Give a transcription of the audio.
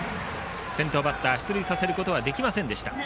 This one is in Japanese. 先頭バッター出塁させることができませんでした。